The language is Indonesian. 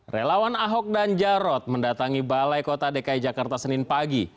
relawan ahok dan jarot mendatangi balai kota dki jakarta senin pagi